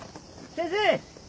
先生。